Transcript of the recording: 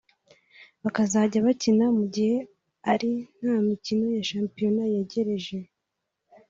bakazajya bakina mu gihe ari nta mikino ya shampiyona yegereje